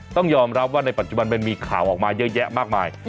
ต้องยอมรับว่าในปัจจุบันมันมีข่าวออกมาเยอะแยะมากมาย